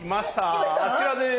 あちらです。